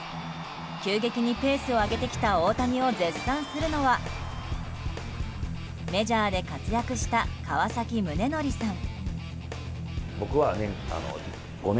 急激にペースを上げてきた大谷を絶賛するのはメジャーで活躍した川崎宗則さん。